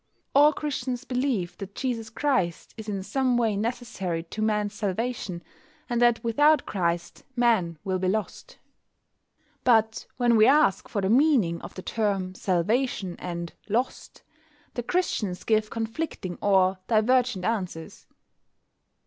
All Christians believe that Jesus Christ is in some way necessary to Man's "salvation," and that without Christ Man will be "lost." But when we ask for the meaning of the terms "salvation" and "lost" the Christians give conflicting or divergent answers.